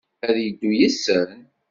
Ad d-yeddu yid-sen?